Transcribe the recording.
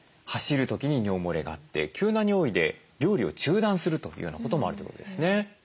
走る時に尿もれがあって急な尿意で料理を中断するというようなこともあるということですね。